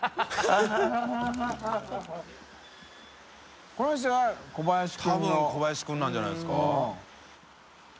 多分小林君なんじゃないですか？）